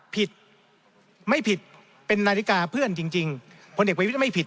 ผิดไม่ผิดเป็นนาฬิกาเพื่อนจริงพลเอกประวิทย์ไม่ผิด